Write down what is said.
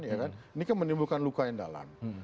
ini kan menimbulkan luka yang dalam